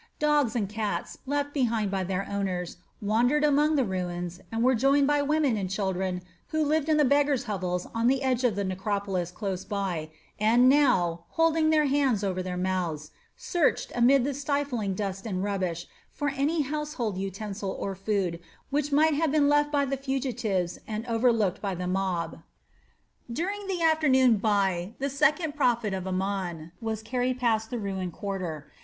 Dogs and cats left behind by their owners wandered among the ruins and were joined by women and children who lived in the beggars' hovels on the edge of the necropolis close by, and now, holding their hands over their mouths, searched amid the stifling dust and rubbish for any household utensil or food which might have been left by the fugitives and overlooked by the mob. During the afternoon Fai, the second prophet of Amon, was carried past the ruined quarter.